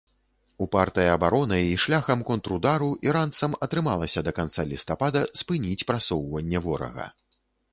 Упартай абаронай і шляхам контрудару іранцам атрымалася да канца лістапада спыніць прасоўванне ворага.